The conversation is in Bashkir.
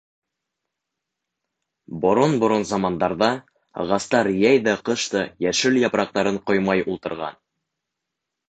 Борон-борон замандарҙа ағастар йәй ҙә, ҡыш та йәшел япраҡтарын ҡоймай ултырған.